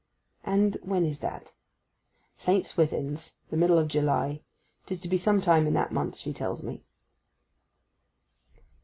'And when is that?' 'St. Swithin's—the middle of July. 'Tis to be some time in that month, she tells me.